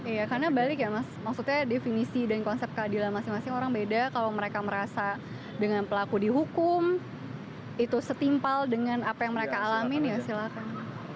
iya karena balik ya mas maksudnya definisi dan konsep keadilan masing masing orang beda kalau mereka merasa dengan pelaku dihukum itu setimpal dengan apa yang mereka alamin ya silakan